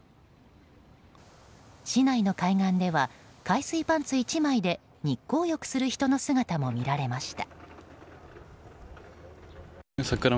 市内の海岸では海水パンツ１枚で日光浴する人の姿も見られました。